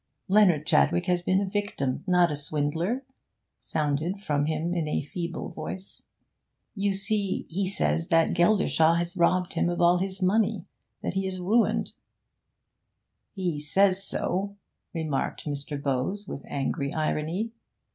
'Leonard Chadwick has been a victim, not a swindler,' sounded from him in a feeble voice. 'You see, he says that Geldershaw has robbed him of all his money that he is ruined.' 'He says so,' remarked Mr. Bowes with angry irony.